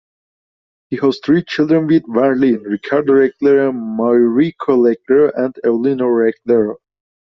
He has three children with Marlene: Ricardo Reglero, Mauricio Reglero and Evaluna Reglero.